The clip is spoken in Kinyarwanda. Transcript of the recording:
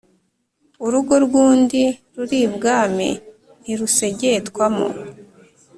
Urugo rw’undi ruribwamo ntirusegetwamo.